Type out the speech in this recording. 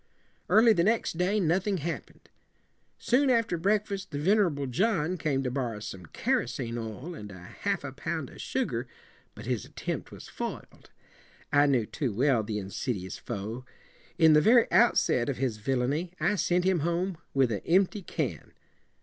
Early the next day nothing happen ed. Soon after breakfast the vener able John came to bor row some ker o sene oil and a half a pound of sugar, but his attempt was foil ed. I knew too well the in sid i ous foe. In the very out set of his vil la in y I sent him home with a empty can.